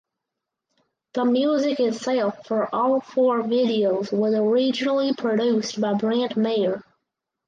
The music itself for all four videos was originally produced by Brent Maher.